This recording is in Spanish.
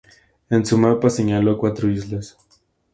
En su mapa señaló cuatro islas.